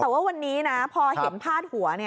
แต่ว่าวันนี้นะพอเห็นพาดหัว